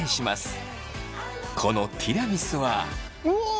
このティラミスは。